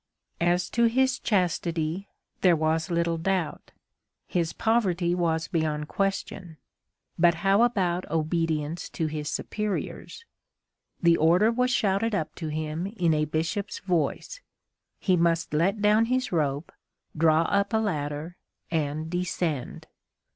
As to his chastity, there was little doubt, his poverty was beyond question, but how about obedience to his superiors? The order was shouted up to him in a Bishop's voice—he must let down his rope, draw up a ladder, and descend.